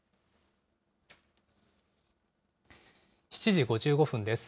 ７時５５分です。